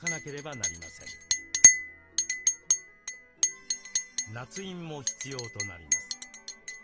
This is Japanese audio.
なつ印も必要となります。